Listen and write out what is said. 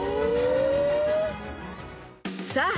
［さあ